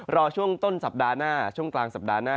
รอช่วงต้นสัปดาห์หน้าช่วงกลางสัปดาห์หน้า